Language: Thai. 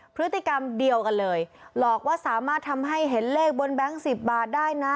พฤติกรรมเดียวกันเลยหลอกว่าสามารถทำให้เห็นเลขบนแบงค์๑๐บาทได้นะ